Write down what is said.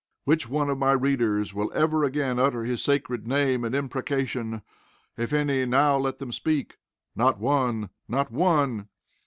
Which one of my readers will ever again utter his sacred name in imprecation? If any, now let them speak. Not one! Not one!